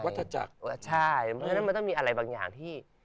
วัฒนาจักรใช่มันต้องมีอะไรบางอย่างที่